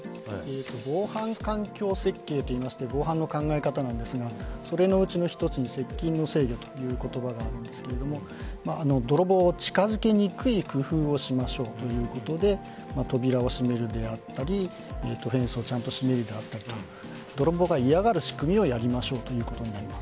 防犯環境設定といいまして防犯の考え方なんですがそれのうちの１つに接近の制御という言葉がありますが泥棒を近づけにくい工夫をしましょうということで扉を閉めるであったりフェンスをちゃんと閉めるであったり泥棒が嫌がる仕組みをやりましょうということです。